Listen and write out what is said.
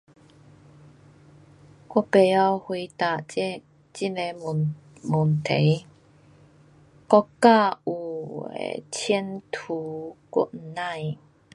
我甭晓回答这种的问，问题。国家有的前途我甭知。